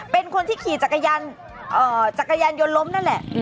เป็นคนที่ขี่จักรยานจักรยานยนต์ล้มนั่นแหละ